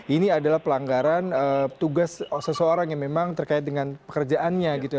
ini adalah pelanggaran tugas seseorang yang memang terkait dengan pekerjaannya gitu ya